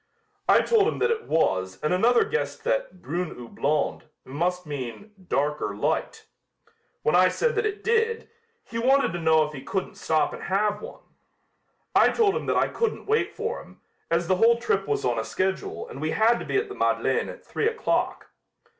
"I told him that it was and another guessed that 'brune ou blonde' must mean 'dark or light.' When I said that it did, he wanted to know if he couldn't stop and have one. I told him that I couldn't wait for him, as the whole trip was on a schedule and we had to be at the Madeleine at three o'clock.